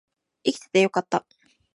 生きててよかった